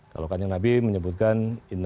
kalau kan yang nabi menyebutkan